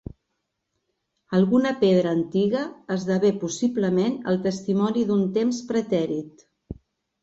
Alguna pedra antiga esdevé possiblement el testimoni d'un temps pretèrit.